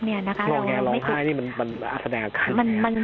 งอแงร้องไห้นี่มันแสดงเหมือนกันไหม